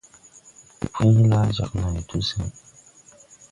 Pũy laa jāg nãy tu sen.